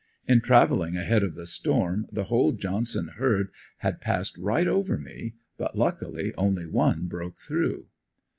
In traveling ahead of the storm the whole Johnson herd had passed right over me, but luckily only one broke through.